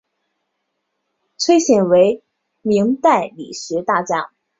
崔铣为明代理学大家。